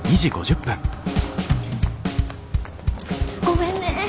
ごめんね。